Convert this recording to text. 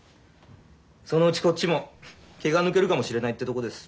そのうちこっちも毛が抜けるかもしれないってとこです。